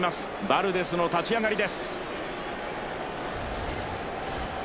バルデスの立ち上がりです。